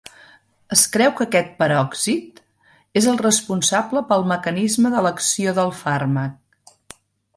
Es creu que aquest peròxid és el responsable pel mecanisme de l'acció del fàrmac.